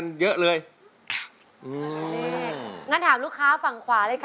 นี่แล้วใบบัวเรียกลูกค้ายังไง